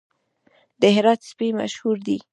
د هرات سپي مشهور دي